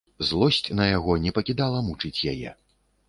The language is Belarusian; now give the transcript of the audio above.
Злосць на яго не пакідала мучыць яе.